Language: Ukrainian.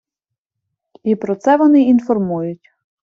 І про це вони інформують.